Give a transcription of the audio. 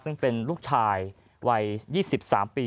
ซึ่งเป็นลูกชายวัย๒๓ปี